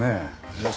よし。